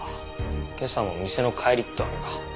今朝も店の帰りってわけか。